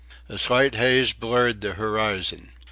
A slight haze blurred the horizon.